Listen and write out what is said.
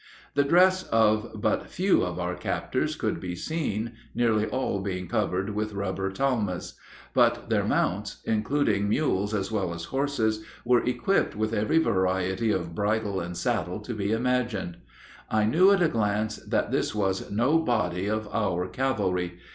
The dress of but few of our captors could be seen, nearly all being covered with rubber talmas; but their mounts, including mules as well as horses, were equipped with every variety of bridle and saddle to be imagined. I knew at a glance that this was no body of our cavalry.